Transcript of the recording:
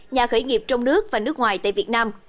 nhà khởi nghiệp trong nước và nước ngoài tại việt nam